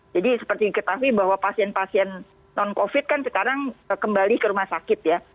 jadi seperti kita tahu bahwa pasien pasien non covid kan sekarang kembali ke rumah sakit ya